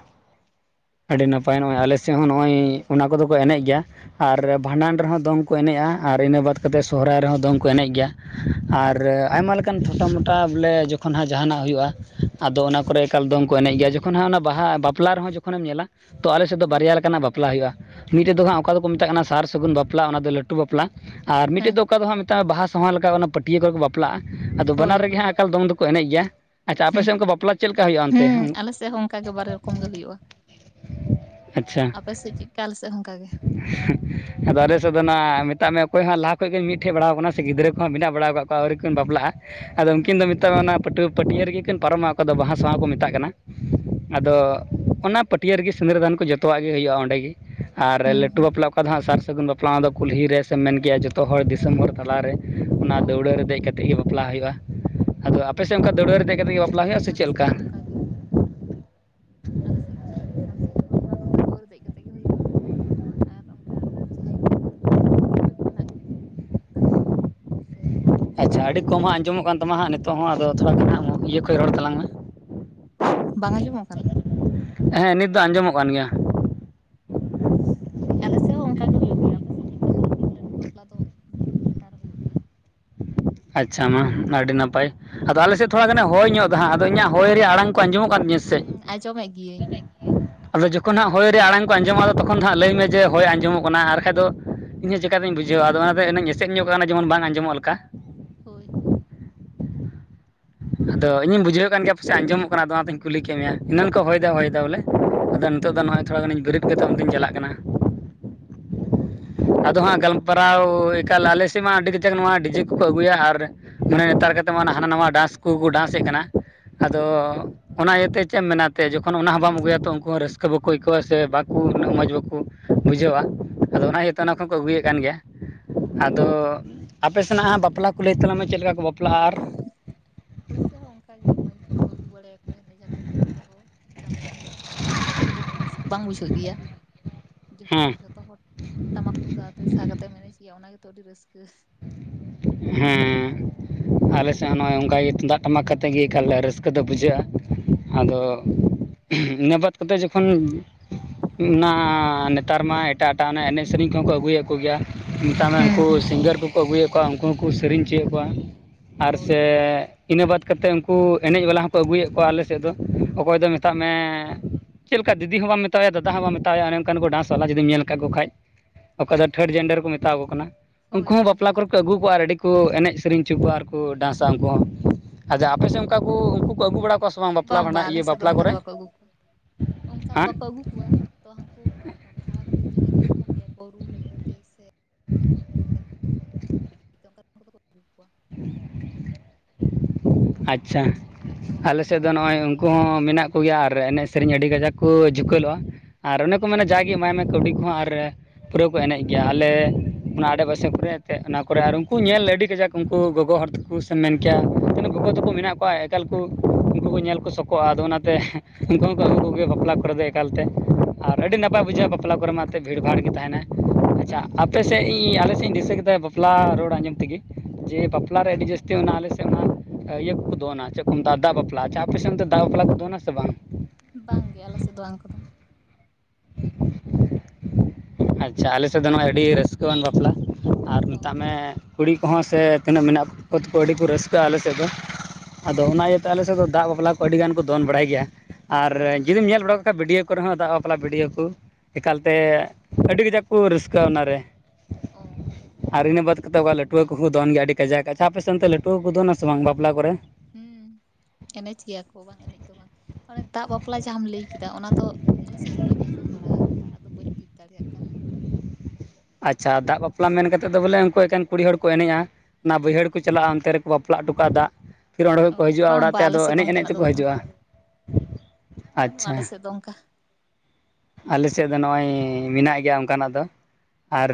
ᱟᱹᱰᱤ ᱱᱟᱯᱟᱭ ᱱᱚᱜᱼᱚᱸᱚᱭ ᱟᱞᱮ ᱥᱮᱫ ᱦᱚᱸ ᱱᱚᱜᱼᱚᱭ ᱚᱱᱟ ᱠᱚᱫᱚ ᱠᱚ ᱮᱱᱮᱡ ᱜᱮᱭᱟ᱾ ᱟᱨ ᱵᱷᱟᱸᱰᱟᱱ ᱨᱮᱦᱚᱸ ᱫᱚᱝᱼᱼ ᱠᱚ ᱮᱱᱮᱡᱼᱟ ᱟᱨ ᱤᱱᱟᱹ ᱵᱟᱫ ᱠᱟᱛᱮ ᱥᱚᱦᱚᱨᱟᱭ ᱨᱮᱦᱚᱸ ᱫᱚᱝ ᱠᱚ ᱮᱱᱮᱡ ᱜᱮᱭᱟ ᱟᱨ ᱟᱭᱢᱟ ᱞᱮᱠᱟᱼᱼ ᱚᱱᱠᱟᱱ ᱴᱷᱳᱚᱴᱟ ᱢᱚᱴᱟ ᱵᱚᱞᱮ ᱡᱚᱠᱷᱚᱱ ᱦᱟᱸᱜ ᱡᱟᱦᱟᱱᱟᱜ ᱦᱩᱭᱩᱜᱼᱟ ᱟᱫᱚ ᱚᱱᱟ ᱠᱚᱨᱮ ᱮᱠᱟᱞ ᱫᱚᱝ ᱠᱚ ᱮᱱᱮᱡ ᱜᱮᱭᱟ᱾ ᱡᱚᱠᱷ ᱦᱟᱸᱜ ᱚᱱᱟ ᱵᱟᱦᱟ ᱚᱱᱟ ᱵᱟᱯᱞᱟ ᱨᱮᱚᱸ ᱡᱚᱠᱷᱚᱱᱮᱢ ᱧᱮᱞᱟ ᱛᱚ ᱟᱞᱮ ᱥᱮᱫ ᱫᱚ ᱦᱮᱸ ᱵᱨᱭᱟ ᱞᱮᱠᱟᱱᱟᱜ ᱵᱟᱯᱼᱼ ᱵᱟᱯᱞᱟ ᱦᱩᱭᱩᱜᱼᱟ ᱢᱤᱫᱴᱮᱡ ᱫᱚ ᱦᱟᱸᱜ ᱚᱠᱟ ᱫᱚᱠᱚ ᱢᱮᱛᱟᱜ ᱠᱟᱱᱟ ᱥᱟᱨ ᱥᱟᱹᱜᱩᱱ ᱵᱟᱯᱞᱟ ᱚᱱᱟᱫᱚ ᱞᱟᱹᱴᱩ ᱵᱟᱯᱞᱟ ᱟᱨ ᱦᱮᱸ ᱢᱤᱫᱴᱮᱡ ᱫᱚ ᱚᱠᱟ ᱫᱚ ᱦᱟᱸᱜ ᱢᱮᱛᱟᱜ ᱢᱮ ᱵᱟᱦᱟ ᱥᱟᱣᱟ ᱞᱮᱠᱟ ᱚᱱᱟ᱾ [unintelligible] ᱠᱚᱨᱮ ᱠᱚ ᱵᱟᱯᱞᱟᱜᱼᱟ ᱟᱫᱚ ᱦᱳᱭ ᱵᱟᱱᱟᱨ ᱨᱮᱜᱮ ᱦᱳᱭ ᱦᱟᱸᱜ ᱟᱠᱟᱞ ᱫᱚᱝ ᱫᱚᱠᱚ ᱮᱱᱮᱡ ᱜᱮᱭᱟ᱾ ᱟᱪᱪᱷᱟ ᱟᱯᱮ ᱦᱩᱸ ᱥᱮᱫ ᱚᱱᱠᱟ ᱵᱟᱯᱞᱟ ᱪᱮᱫ ᱞᱮᱠᱟ ᱦᱩᱭᱩᱜᱼᱟ ᱚᱱᱛᱮ? ᱦᱩᱸ ᱟᱞᱮ ᱥᱮᱫ ᱦᱚᱸ ᱚᱱᱠᱟ ᱜᱮ ᱵᱟᱨ ᱨᱚᱠᱚᱢ ᱜᱮ ᱦᱩᱭᱩᱜᱼᱟ ᱟᱪᱪᱷᱟ ᱟᱯᱮᱥᱮᱫ ᱪᱮᱫᱠᱟ ᱟᱞᱮᱥᱮᱫ ᱚᱱᱠᱟ ᱜᱮ᱾ [inaudible] ᱟᱫᱚ ᱟᱞᱮ ᱥᱮᱫ ᱫᱚ ᱱᱚᱣᱟ ᱢᱮᱛᱟᱜ ᱢᱮ ᱚᱠᱚᱭ ᱦᱚᱸ ᱞᱟᱦᱟ ᱠᱷᱚᱱ ᱜᱧ ᱢᱤᱫ ᱴᱷᱮᱱ ᱵᱟᱲᱟᱣ ᱠᱟᱱᱟ ᱥᱮ ᱜᱤᱫᱽᱟᱹ ᱠᱚᱸ ᱢᱮᱱᱟᱜ ᱵᱟᱲᱟ ᱟᱠᱟᱫ ᱠᱚᱣᱟ ᱟᱹᱣᱨᱤ ᱠᱤᱱ ᱵᱟᱯᱞᱟᱜᱼᱟ, ᱟᱫᱚ ᱦᱮᱸ ᱩᱱᱠᱤᱱ ᱫᱚ ᱢᱮᱛᱟᱜ ᱢᱮ ᱚᱱᱟ ᱯᱟᱹᱴᱭᱟᱹ ᱯᱟᱹᱴᱭᱟᱹ ᱨᱮᱜᱮᱠᱤᱱ ᱯᱟᱨᱚᱢᱟ ᱚᱠᱟ ᱫᱚ ᱵᱟᱦᱟ ᱥᱟᱶᱟ ᱠᱚ ᱢᱮᱛᱟᱜ ᱠᱟᱱᱟ᱾ ᱟᱫᱚ ᱚ ᱚᱱᱟ ᱯᱟᱹᱴᱭᱟᱹ ᱨᱮᱜᱮ ᱥᱤᱸᱫᱽᱨᱟᱹ ᱫᱟᱱ ᱠᱚ ᱡᱚᱛᱚᱣᱟᱜ ᱜᱮ ᱦᱩᱭᱩᱜᱼᱟ ᱚᱸᱰᱮᱜ ᱜᱮᱼᱼ ᱟᱨ ᱦᱩᱸ ᱞᱟᱹᱴᱩ ᱦᱩᱸ ᱵᱟᱯᱞᱟ ᱚᱠᱟ ᱫᱚ ᱦᱟᱸᱜ ᱥᱟᱨ ᱥᱟᱹᱜᱩᱱ ᱵᱟᱯᱞᱟ ᱯᱞᱟ ᱫᱚ ᱠᱩᱞᱦᱤ ᱨᱮ ᱥᱮᱢ ᱢᱮᱱ ᱠᱮᱭᱟ ᱡᱷᱚᱛᱚ ᱦᱚᱲ ᱫᱤᱥᱚᱢ ᱦᱚᱲ ᱛᱟᱞᱟᱨᱮ ᱚᱱᱟ ᱦᱳᱭ ᱫᱟᱹᱣᱲᱟᱹ ᱨᱮ ᱫᱮᱡ ᱠᱟ ᱠᱟᱛᱮ ᱜᱮ ᱵᱟᱯᱞᱟ ᱦᱩᱭᱩᱜᱼᱟ, ᱟᱫᱚ ᱟᱯᱮ ᱥᱮᱫ ᱚᱱᱠᱟ ᱫᱟᱹᱲᱟᱹ ᱨᱮ ᱫᱮᱡ ᱠᱟᱛᱮᱫ ᱜᱮ ᱦᱩᱸ ᱵᱟᱯᱞᱟ ᱦᱩᱭᱩᱜᱼᱟ ᱥᱮ ᱟᱞᱮ ᱪᱮᱫ ᱥᱮᱫ ᱞᱮᱠᱟ ᱦᱚᱸ ᱚᱝᱠᱟᱜ ᱜᱮ᱾ ᱟᱞᱮ ᱥᱮᱫ ᱦᱚᱸ ᱚᱱᱠᱟ ᱜᱮ ᱥᱟᱨ ᱥᱟᱹᱜᱩᱱ ᱵᱟᱯᱞᱟ ᱫᱚ ᱫᱟᱹᱲᱣᱟᱹ ᱨᱮ ᱫᱮᱡᱽ ᱠᱟᱛᱮ ᱜᱮ ᱦᱩᱭᱩᱜᱼᱟ᱾ ᱟᱨ ᱚᱝᱠᱟ ᱡᱟᱦᱟᱸᱭ ᱠᱚ ᱜᱤᱫᱽᱨᱟᱹ ᱠᱚ ᱢᱮᱱᱟᱜ ᱠᱚ ᱛᱟᱠᱚᱣᱟ᱾ ᱥᱮ ᱟᱪᱪᱷᱟ ᱟᱹᱰᱤ ᱤᱭᱟᱹ ᱠᱚᱢ ᱩᱱᱠᱩ ᱦᱟᱸᱜ ᱫᱚ ᱚᱱᱠᱟ ᱟᱧᱡᱚᱢᱚᱜ ᱜᱮ ᱠᱟᱱ ᱛᱟᱢᱟ ᱦᱟᱸᱜ ᱱᱤᱛᱚᱜ ᱦᱚᱸ ᱟᱫᱚ ᱛᱷᱚᱲᱟ ᱜᱟᱱ ᱦᱟᱸᱜ ᱤᱭᱟᱹ ᱠᱷᱚᱡ ᱨᱚᱲ ᱛᱟᱞᱟᱝ ᱢᱮ᱾ ᱵᱟᱝ ᱟᱡᱚᱢᱚᱜ ᱠᱟᱱᱟ? ᱦᱮᱸ ᱱᱤᱛ ᱫᱚ ᱟᱧᱡᱚᱢᱚᱜ ᱠᱟᱱ ᱜᱮᱭᱟ᱾ ᱚ ᱫᱤ ᱟᱞᱮ ᱥᱮ ᱦᱚᱸ ᱚᱱᱠᱟᱜ ᱜᱮ ᱦᱩᱭᱩᱜ ᱜᱮᱭᱟ ᱟᱯᱮᱥᱮᱫ ᱪᱮᱫᱠᱟᱢ ᱞᱟᱹᱭ ᱠᱮᱫ ᱞᱟᱹᱴᱩ ᱵᱟᱯᱞᱟ ᱫᱚ ᱫᱟᱹᱲᱣᱟᱹ ᱪᱮᱛᱟᱱ ᱨᱮ ᱦᱩᱭᱩᱜ ᱜᱮᱭᱟ, ᱟᱪᱪᱷᱟ ᱢᱟ ᱟᱹᱰᱤ ᱱᱟᱯᱟᱭ ᱟᱫᱚ ᱟᱞᱮ ᱥᱮᱫ ᱛᱷᱚᱲᱟ ᱜᱟᱱᱮ ᱦᱚᱭ ᱧᱚᱜ ᱮᱫᱟ ᱦᱟᱸᱜ ᱟᱫᱚ ᱤᱧᱟᱹᱜ ᱦᱚᱭ ᱨᱮᱭᱟᱜ ᱟᱲᱟᱝ ᱠᱚ ᱟᱸᱡᱚᱢᱚᱜ ᱠᱟᱱ ᱛᱤᱧᱟ ᱥᱮᱪᱮᱜ᱾ ᱦᱩᱸ ᱟᱸᱡᱚᱢᱮᱫ ᱜᱤᱭᱟᱹᱧ ᱟᱫᱚ ᱡᱚᱠᱷᱚᱱ ᱦᱟᱸᱜ ᱦᱚᱭ ᱨᱮᱭᱟᱜ ᱟᱲᱟᱝ ᱠᱚ ᱟᱸᱡᱚᱢᱚᱜᱼᱟ ᱛᱚᱠᱷᱚᱱ ᱫᱚ ᱦᱟᱸᱜ ᱞᱟᱹᱭ ᱢᱮ ᱡᱮ ᱦᱚᱭ ᱟᱸᱡᱚᱢᱚᱜ ᱠᱟᱱᱟ ᱟᱨᱠᱷᱟᱡ ᱫᱚ ᱤᱧ ᱦᱚᱸ ᱪᱮᱠᱟᱛᱤᱧ ᱵᱩᱡᱷᱟᱹᱣᱟ ᱟᱫᱚ ᱚᱱᱟᱝ ᱤᱧ ᱮᱥᱮᱫ ᱧᱚᱜ ᱠᱟᱱᱟ ᱡᱮᱢᱚᱱ ᱵᱟᱝ ᱟᱸᱡᱚᱢᱚᱜ ᱞᱮᱠᱟ᱾ ᱦᱳᱭ ᱦᱳᱭ᱾ ᱟᱫᱚ ᱤᱧᱤᱧ ᱵᱩᱡᱷᱟᱹᱣ ᱠᱟᱱ ᱜᱮᱭᱟ ᱯᱟᱥᱮ ᱟᱸᱡᱚᱢᱚᱜ ᱠᱟᱱᱟ ᱟᱫᱚ ᱚᱱᱟᱛᱤᱧ ᱠᱩᱞᱤ ᱠᱮᱜ ᱢᱮᱭᱟ᱾ ᱮᱱᱟᱱᱟᱹᱱ ᱠᱚ ᱦᱚᱭ ᱫᱟ ᱦᱚᱭᱫᱟ ᱵᱚᱞᱮ ᱟᱫᱚ ᱱᱤᱛᱚᱜ ᱫᱚ ᱚ ᱱᱚᱜᱼᱚᱭ ᱛᱷᱚᱲᱟ ᱜᱟᱱᱤᱧ ᱵᱮᱨᱮᱫ ᱠᱟᱛᱮᱫ ᱚᱱᱛᱤᱧ ᱪᱟᱞᱟᱜ ᱠᱟᱱᱟ᱾ ᱟᱫᱚ ᱦᱟᱸᱜ ᱜᱟᱞᱢᱟᱨᱟᱣ ᱮᱠᱟᱞ ᱟᱞᱮ ᱥᱮᱫ ᱢᱟ ᱟᱹᱰᱤ ᱠᱟᱪᱟᱠ ᱱᱚᱣᱟ ᱰᱤᱡᱮ ᱠᱚᱠᱚ ᱟᱹᱜᱩᱭᱟ, ᱟᱨ ᱢᱟᱱᱮ ᱱᱮᱛᱟᱨ ᱠᱟᱛᱮᱫ ᱢᱟ ᱦᱟᱱᱟ ᱱᱟᱣᱟ ᱰᱟᱸᱥ ᱠᱚᱠᱚ ᱰᱟᱸᱥᱮᱫ ᱠᱟᱱᱟ, ᱟᱫᱚ ᱦᱩᱸ ᱚᱱᱟ ᱤᱭᱟᱹᱛᱮ ᱪᱮᱫ ᱮᱢ ᱢᱮᱱᱟᱛᱮ ᱡᱚᱠᱷᱚᱱ ᱚᱱᱟ ᱦᱚᱸ ᱵᱟᱢ ᱟᱹᱜᱩᱭᱟ ᱛᱚ ᱩᱱᱠᱩ ᱦᱚᱸ ᱨᱟᱹᱥᱠᱟᱹ ᱵᱟᱠᱚ ᱟᱹᱭᱠᱟᱹᱣᱟ ᱥᱮ ᱵᱟᱠᱚ ᱩᱱᱟᱹᱜ ᱢᱚᱡᱽ ᱵᱟᱠᱩ ᱵᱩᱡᱷᱟᱹᱜᱣᱟ᱾ ᱟᱫᱚ ᱚᱱᱟ ᱦᱩᱸ ᱤᱭᱟᱹᱛᱮ ᱚᱱᱟ ᱦᱳᱭ ᱠᱷᱚᱱ ᱠᱚ ᱟᱹᱜᱩᱭᱮᱫ ᱠᱟᱱ ᱜᱮᱭᱟ᱾ ᱟᱫᱚ ᱟᱯᱮ ᱥᱮᱱᱟᱜ ᱦᱟᱸ ᱵᱟᱯᱞᱟ ᱠᱚ ᱞᱟᱹᱭ ᱛᱟᱞᱟᱝ ᱢᱮ ᱪᱮᱫᱞᱮᱠᱟ ᱠᱚ ᱵᱟᱯᱞᱟᱜᱼᱟ, ᱟᱨ ᱟᱞᱮ ᱥᱮᱜ ᱦᱚᱸ ᱚᱱᱠᱟ ᱜᱮ ᱢᱟᱹᱭᱤᱠ ᱠᱚᱠᱚ ᱟᱹᱜᱩ ᱵᱟᱲᱟᱭᱟᱠᱚ ᱮᱱᱮᱡᱟᱠᱚ ᱢᱟᱹᱭᱤᱠ ᱛᱮᱦᱚᱸ᱾ ᱴᱩᱫᱟᱜ ᱛᱩᱢᱫᱟᱜ ᱛᱮᱦᱚᱸ ᱟᱫᱚ ᱢᱟᱹᱭᱤᱠ ᱛᱮᱫᱚ ᱩᱱᱟᱹᱜ ᱨᱟᱹᱥᱠᱟᱹ ᱵᱟᱝ ᱵᱩᱡᱷᱟᱹᱜ ᱜᱮᱭᱟ᱾ ᱦᱮᱸ ᱡᱚᱠᱷᱚᱱ ᱡᱷᱚᱛᱚ ᱦᱚᱲ ᱴᱟᱢᱟᱠ ᱛᱩᱢᱫᱟᱜ ᱟᱛᱮ ᱥᱟᱦ ᱠᱟᱛᱮᱢ ᱮᱱᱮᱡ ᱜᱮᱭᱟ ᱚᱱᱟᱜᱮᱛᱚ ᱟᱹᱰᱤ ᱨᱟᱹᱥᱠᱟᱹ᱾ ᱦᱮᱸ᱾ ᱟᱞᱮ ᱥᱮᱫ ᱦᱚᱸ ᱱᱚᱸᱜᱼᱚᱭ ᱚᱱᱠᱟᱜᱮ ᱛᱩᱢᱫᱟᱜ ᱴᱟᱢᱟᱠ ᱠᱟᱛᱮ ᱜᱮ ᱮᱠᱟᱞ ᱨᱟᱹᱥᱠᱟᱹ ᱫᱚ ᱵᱩᱡᱷᱟᱹᱜᱼᱟ ᱟᱫᱚ ᱦᱳᱭ ᱤᱱᱟᱹ ᱵᱟᱫ ᱠᱟᱛᱮ ᱡᱚᱠᱷᱚᱱ ᱚᱱᱟ ᱱᱮᱛᱟᱨ ᱢᱟ ᱮᱴᱟᱜ ᱮᱴᱟᱜ ᱚᱱᱮ ᱮᱱᱮᱡ ᱥᱮᱨᱮᱧ ᱠᱚᱦᱚᱸ ᱠᱚ ᱟᱹᱜᱩᱭᱮᱫ ᱠᱚ ᱜᱮᱭᱟ, ᱢᱮᱛᱟᱜ ᱢᱮ ᱦᱩᱸ ᱩᱝᱠᱩ ᱦᱩᱸ ᱥᱤᱝᱜᱟᱨ ᱠᱚᱠᱚ ᱟᱹᱜᱩᱭᱮᱜ ᱠᱟ ᱩᱝᱠᱩ ᱦᱚᱸᱠᱚ ᱥᱮᱨᱮᱧ ᱚᱪᱚᱭᱮᱜ ᱠᱚᱣᱟ ᱟᱨ ᱦᱳᱭ ᱥᱮ ᱤᱱᱟᱹ ᱵᱟᱫ ᱠᱟᱛᱮᱜ ᱩᱝᱠᱩ ᱮᱱᱮᱡ ᱵᱟᱞᱟ ᱦᱚᱸᱠᱚ ᱟᱹᱜᱩᱭᱮᱫ ᱠᱚᱣᱟ ᱟᱞᱮ ᱥᱮᱫ ᱫᱚ ᱚᱠᱚᱭ ᱫᱚ ᱢᱮᱛᱟᱜ ᱢᱮ ᱪᱮᱫ ᱞᱮᱠᱟ ᱫᱤᱫᱤ ᱦᱚᱸ ᱵᱟᱢ ᱢᱮᱛᱟᱭᱟ ᱫᱟᱫᱟ ᱦᱚᱸ ᱵᱟᱢ ᱢᱮ ᱛᱟᱭᱟ ᱚᱱᱮ ᱚᱝᱠᱟᱱ ᱠᱚ ᱰᱟᱱᱥ ᱵᱟᱞᱟ ᱡᱩᱫᱤᱢ ᱧᱮᱞ ᱠᱟᱠᱚ ᱠᱷᱟᱡ ᱚᱠᱟ ᱫᱚ ᱛᱷᱟᱨᱰ ᱡᱮᱱᱰᱟᱨ ᱠᱚ ᱢᱮᱛᱟ ᱠᱚ ᱠᱟᱱᱟ ᱩᱝᱠᱩ ᱦᱳᱭ ᱦᱚᱸ ᱵᱟ ᱦᱳᱭ ᱠᱚᱨᱮ ᱠᱚ ᱟᱹᱜᱩ ᱠᱚᱣᱟ ᱟᱨ ᱟᱹᱰᱤ ᱠᱚ ᱮᱱᱮᱡ ᱥᱮᱨᱮᱧ ᱦᱚᱪᱚ ᱠᱚᱣᱟ ᱟᱨᱠᱚ ᱰᱟᱸᱥᱟ ᱩᱱᱠᱩ ᱦᱚᱸ᱾ ᱟᱪᱪᱷᱟ ᱟᱯᱮᱥᱮᱫ ᱚ ᱚᱝᱠᱟ ᱠᱚ ᱩᱱᱠᱩ ᱠᱚ ᱟᱹᱜᱩ ᱵᱟᱲᱟ ᱠᱚᱣᱟ ᱥᱮ ᱵᱟᱝ ᱵᱟᱯᱞᱟ ᱤᱭᱟᱹ ᱵᱟᱯᱞᱟ ᱠᱚᱨᱮ? ᱚᱝᱠᱟ ᱫᱚ ᱦᱮᱸ ᱵᱟᱠᱚ ᱟᱹᱜᱩ ᱠᱩᱣᱟ ᱛᱚ ᱦᱟᱹᱝᱠᱩ ᱵᱷᱟᱲᱟ ᱠᱟᱛᱮ ᱡᱟᱦᱟᱸᱭ ᱠᱚ ᱧᱟᱢᱚᱜ ᱜᱮᱭᱟ ᱠᱚ ᱨᱩ ᱞᱟᱹᱜᱤᱫ ᱛᱮ ᱥᱮ [inaudible] ᱦ [unintelligible] ᱟᱪᱪᱷᱟ ᱴᱟᱢᱟᱠ ᱟᱞᱮᱥᱮᱫ ᱛᱩᱢᱫᱟᱜ ᱫᱚ ᱟᱛᱮᱫ ᱱᱚᱸᱜᱼᱚᱭ ᱡᱟᱦᱟᱸᱭ ᱩᱝᱠᱩ ᱨᱩ ᱮᱱᱮᱡ ᱦᱚᱸ ᱟᱠᱚ ᱢᱮᱱᱟᱜ ᱠᱚ ᱜᱮᱭᱟ ᱟᱨ ᱮᱱᱮᱡ ᱥᱮᱨᱮᱧ ᱟᱹᱰᱤ ᱜᱟᱡᱟᱠ ᱠᱚ ᱡᱷᱩᱠᱟᱹᱞᱚᱜᱼᱟ, ᱟᱨ ᱚᱱᱮ ᱠᱚ ᱢᱮᱱᱟ ᱡᱟᱜᱮ ᱮᱢᱟᱭ ᱢᱮ ᱠᱟᱹᱣᱰᱤ ᱠᱚᱦᱚᱸ ᱟᱨ ᱯᱩᱨᱟᱹ ᱠᱚ ᱮᱱᱮᱡ ᱜᱮᱭᱟ ᱟᱞᱮ ᱚᱱᱟ ᱟᱰᱮᱯᱟᱥᱮ ᱠᱚᱨᱮ ᱛᱮ ᱚᱱᱟ ᱠᱚᱨᱮ ᱟᱨ ᱩᱱᱠᱩ ᱧᱮᱞ ᱟᱹᱰᱤ ᱜᱟᱡᱟᱠ ᱩᱝᱠᱩ ᱜᱚᱜᱚ ᱦᱚᱲ ᱛᱮᱠᱚ ᱥᱮ ᱢᱮᱱ ᱠᱮᱭᱟ ᱛᱤᱱᱟᱹᱜ ᱜᱚᱜᱚ ᱛᱟᱠᱚ ᱢᱮᱱᱟᱜ ᱠᱚᱣᱟ ᱮᱠᱟᱞ ᱠᱚ ᱩᱱᱠᱩ ᱠᱚ ᱧᱮᱞ ᱠᱚ ᱥᱚᱠᱚᱜᱼᱟ, ᱟᱫᱚ ᱚᱱᱟᱛᱮ ᱩᱝᱠᱩ ᱦᱚᱸᱠᱚ ᱟᱹᱜᱩ ᱠᱚᱜᱮᱭᱟ ᱵᱟᱯᱞᱟ ᱠᱚᱨᱮ ᱫᱚ ᱮ ᱮᱠᱟᱞᱛᱮ ᱟᱨ ᱚ ᱟᱹᱰᱤ ᱱᱟᱯᱟᱭ ᱵᱩᱡᱷᱟᱹᱜᱼᱟ ᱵᱟᱯᱞᱟ ᱠᱚᱨᱮ ᱢᱟ ᱮᱛᱮ ᱵᱷᱤᱲᱵᱷᱟᱲ ᱜᱤ ᱛᱟᱦᱮᱱᱟ᱾ ᱦᱩᱸ ᱟᱪᱷᱟ ᱦᱩᱸ ᱟᱯᱮ ᱥᱮ ᱤᱧ ᱟᱞᱮ ᱥᱮᱜ ᱤᱧ ᱫᱤᱥᱟᱹ ᱠᱮᱫᱟ ᱵᱟᱯ ᱯᱞᱟ ᱨᱚᱲ ᱟᱸᱡᱚᱢ ᱛᱮᱜᱤ ᱡᱮ ᱵᱟᱯᱞᱟ ᱨᱮ ᱟᱹᱰᱤ ᱡᱟᱹᱥᱛᱤ ᱚᱱᱟ ᱟᱞᱮ ᱥᱮᱜ ᱚᱱᱟ᱾ ᱤᱭᱟᱹ ᱠᱩᱠᱚ ᱫᱚᱱᱟ ᱪᱮᱫ ᱠᱚ ᱢᱮᱛᱟᱜᱼᱟ ᱫᱟᱜ ᱵᱟᱯᱞᱟ ᱟᱪᱷᱟ ᱟᱯᱮ ᱥᱮᱱ ᱫᱚ ᱫᱟᱜ ᱵᱟᱯᱞᱟ ᱠᱚ ᱫᱚᱱᱟ ᱥᱮ ᱵᱟᱝ᱾ ᱵᱟᱝ ᱜᱮ ᱟᱞᱮ ᱥᱮᱫ ᱫᱚ ᱵᱟᱝ ᱠᱚ ᱫᱚᱱᱟ᱾ ᱟᱪᱪᱷᱟ ᱟᱞᱮ ᱥᱮᱫ ᱫᱚ ᱱᱚᱜᱼᱚᱭ ᱟᱹᱰᱤ ᱨᱟᱹᱥᱠᱟᱹᱣᱟᱱ ᱵᱟᱯᱞᱟ ᱟᱨ ᱢᱮᱛᱟᱜ ᱚ ᱢᱮ ᱠᱩᱲᱤ ᱠᱚᱦᱚᱸ ᱥᱮ ᱛᱤᱱᱟᱹᱜ ᱢᱮᱱᱟᱜ ᱠᱚ ᱜᱚᱜᱚ ᱛᱟᱠᱚ ᱟᱹᱰᱤ ᱠᱚ ᱨᱟᱹᱥᱠᱟᱹᱜᱼᱟ ᱟᱞᱮ ᱥᱮᱫ ᱫᱚ᱾ ᱟᱫᱚ ᱚᱱᱟ ᱦᱮᱸ ᱤᱭᱟᱹᱛᱮ ᱟᱞᱮ ᱥᱮᱫ ᱫᱚ ᱫᱟᱜ ᱵᱟᱯᱞᱟ ᱟᱹᱰᱤᱜᱟᱱ ᱠᱚ ᱫᱚᱱ ᱵᱟᱲᱟᱭ ᱜᱮᱭᱟ ᱟᱨ ᱡᱩᱫᱤᱢ ᱧᱮᱞ ᱵᱟᱲᱟᱣ ᱠᱟᱜ ᱠᱷᱟᱡ ᱵᱷᱤᱰᱤᱭᱳ ᱠᱚᱨᱮ ᱦᱚᱸ ᱫᱟᱜ ᱵᱟᱯᱞᱟ ᱵᱷᱤᱰᱭᱳ᱾ ᱠᱩ ᱮᱠᱟᱞᱛᱮ ᱟᱹᱰᱤ ᱠᱟᱡᱟᱠ ᱠᱩ ᱨᱟᱹᱥᱠᱟᱹᱜ ᱚᱱᱟᱨᱮ᱾ ᱚ ᱟᱨ ᱤᱱᱟᱹ ᱵᱟᱫ ᱠᱟᱛᱮᱜ ᱚᱠᱟ ᱞᱟᱹᱴᱩ ᱦᱟᱹᱠᱩ ᱠᱩ ᱫᱚᱱ ᱜᱮᱭᱟ ᱟᱹᱰᱤ ᱠᱟᱡᱟᱠ ᱟᱪᱪᱷᱟ ᱟᱯᱮ ᱥᱮᱜ ᱚᱱᱛᱮ ᱞᱟᱹᱴᱩ ᱦᱚᱲ ᱠᱩ ᱫᱚᱱᱟ ᱥᱮ ᱵᱟᱝ ᱵᱟᱯᱞᱟ ᱠᱚᱨᱮ? ᱦᱩᱸ ᱮᱱᱮᱡ ᱜᱮᱭᱟ ᱠᱚ ᱵᱟᱝ ᱮᱱᱮᱡ ᱫᱚ ᱵᱟ ᱚᱱᱮ ᱫᱟᱜ ᱵᱟᱯᱞᱟ ᱡᱟᱸᱦᱟᱢ ᱞᱟᱹᱭ ᱠᱮᱫᱟ ᱚᱱᱟ ᱫᱚ ᱟᱞᱮ ᱥᱮᱫ ᱫᱚ ᱵᱟᱹᱧ ᱟᱸᱡᱚᱢ ᱵᱟᱲᱟ ᱟᱠᱟᱫᱟ᱾ ᱟᱫᱚ ᱵᱟᱹᱧ ᱵᱩᱡᱽ ᱫᱟᱲᱮᱭᱟᱜ ᱠᱟᱱᱟ᱾ ᱟᱪᱪᱷᱟ ᱫᱟᱜ ᱵᱟᱯᱞᱟ ᱢᱮᱱ ᱠᱟᱛᱮᱫ ᱫᱚ ᱵᱚᱞᱮ ᱩᱱᱠᱩ ᱮᱠᱮᱱ᱾ ᱠᱩᱲᱤ ᱦᱚᱲ ᱠᱚ ᱮᱱᱮᱡᱼᱟ, ᱚᱱᱟ ᱵᱟᱹᱭᱦᱟᱹᱲ ᱠᱩ ᱪᱟᱞᱟᱜᱼᱟ᱾ ᱚᱱᱛᱮ ᱨᱮᱠᱚ ᱵᱟᱯᱞᱟ ᱚᱴᱚ ᱠᱟᱜ-ᱟ ᱫᱟᱜ᱾ ᱯᱷᱤᱨ ᱚᱸᱰᱮ ᱠᱷᱚᱡ ᱚ ᱠᱚ ᱦᱤᱡᱩᱜᱼᱟ ᱵᱟᱝ ᱚᱲᱟᱜᱛᱮ ᱵᱟᱝ ᱟᱞᱮ ᱟᱫᱚ ᱥᱮᱫ ᱫᱚ ᱮᱱᱮᱡ ᱮᱱᱮᱡ ᱚᱱᱠᱟᱱᱟᱜ ᱫᱚ ᱛᱮᱠᱚ ᱵᱟᱹᱱᱩᱜᱼᱟ ᱦᱤᱡᱩᱜᱼᱟ ᱟᱪᱪᱷᱟ᱾ ᱟᱫᱚ ᱚᱱᱠᱟ ᱟᱞᱮᱥᱮᱜ ᱫᱚ ᱱᱚᱜᱼᱚᱭ ᱢᱮᱱᱟᱜ ᱜᱮᱭᱟ ᱚᱱᱠᱟ ᱱᱟᱜ ᱫᱚ᱾ ᱟᱨ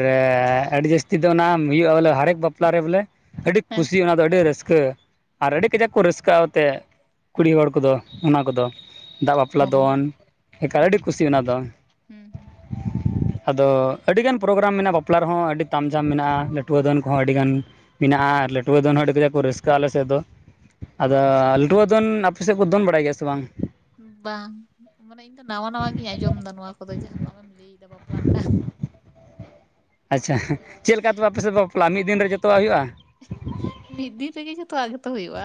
ᱟᱹᱰᱤ ᱡᱟᱹᱥᱛᱤ ᱫᱚ ᱚᱱᱟ ᱦᱩᱭᱩᱜᱼᱟ ᱵᱚᱞᱮ ᱦᱟᱨᱮᱠ ᱵᱟᱯᱞᱟ ᱨᱮ ᱵᱚᱞᱮ᱾ ᱟᱹᱰᱤ ᱦᱮᱸ ᱠᱩᱥᱤ ᱚᱱᱟ ᱫᱚ ᱟᱹᱰᱤ ᱨᱟᱹᱥᱠᱟᱹ᱾ ᱟᱨ ᱟᱹᱰᱤ ᱠᱟᱡᱟᱠ ᱠᱚ ᱨᱟᱹᱥᱠᱟᱹᱜᱼᱟ ᱚᱛᱮ ᱠᱩᱲᱤ ᱦᱚᱲ ᱠᱚᱫᱚ ᱚᱱᱟ ᱠᱚᱫᱚ᱾ ᱫᱟᱜ ᱵᱟᱯᱞᱟ ᱚ ᱫᱚᱱ ᱮᱠᱟᱨ ᱟᱹᱰᱤ ᱠᱩᱥᱤ ᱚᱱᱟ ᱫᱚ᱾ ᱦᱩᱸ ᱦᱩᱸ ᱟᱫᱚ ᱟᱹᱰᱤᱜᱟᱱ ᱯᱨᱳᱜᱨᱟᱢ ᱢᱮᱱᱟᱜᱼᱟ ᱵᱟᱯᱞᱟ ᱨᱮᱦᱚᱸ ᱟᱹᱰᱤ ᱛᱟᱢ ᱡᱷᱟᱢ ᱢᱮᱱᱟᱜᱼᱟ, ᱞᱟᱹᱴᱷᱩᱣᱟᱹ ᱟᱹᱫᱟᱹᱱ ᱠᱚᱦᱚᱸ ᱟᱹᱰᱤᱜᱟᱱ᱾ ᱢᱮᱱᱟᱜᱼᱟ ᱟᱨ ᱞᱟᱹᱴᱩᱣᱟᱹ ᱫᱚᱱ ᱦᱚ ᱟᱹᱰᱤ ᱠᱟᱡᱟᱠ ᱠᱚ ᱨᱟᱹᱥᱠᱟᱹᱜᱼᱟ ᱟᱞᱮ ᱥᱮᱫ ᱫᱚ᱾ ᱚ ᱟᱫᱚ ᱞᱟᱹᱴᱷᱩᱣᱟᱹ ᱫᱚᱱ ᱟᱯᱮ ᱥᱮᱜ ᱠᱚ ᱫᱚᱱ ᱵᱟᱲᱟᱭ ᱜᱮᱭᱟ ᱥᱮ ᱵᱟᱝ? ᱵᱟᱝ ᱢᱟᱱᱮ ᱤᱧ ᱫᱚ ᱱᱟᱣᱟ ᱱᱟᱣᱟ ᱜᱤᱧ ᱟᱸᱡᱚᱢ ᱮᱫᱟ, ᱱᱚᱣᱟ ᱠᱚᱫᱚ ᱡᱟᱦᱟᱸ ᱠᱚ ᱟᱢᱮᱢ ᱞᱟᱹᱭ ᱮᱫᱟ ᱵᱟᱯᱞᱟ ᱨᱮᱱᱟᱜ᱾ ᱟᱪᱪᱷᱟ ᱪᱮᱫ ᱞᱮᱠᱟ ᱛᱚᱵᱮ ᱟᱯᱮᱥᱮᱜ ᱫᱚ ᱵᱟᱯᱞᱟᱜ-ᱟ ᱢᱤᱫ ᱫᱤᱱ ᱨᱮ ᱡᱚᱛᱚᱣᱟᱜ ᱦᱩᱭᱩᱜᱼᱟ? ᱢᱤᱫ ᱫᱤᱱ ᱨᱮᱜᱮ ᱡᱷᱚᱛᱚᱣᱟᱜ ᱜᱮᱛᱚ ᱦᱳᱭᱳᱜᱼᱟ᱾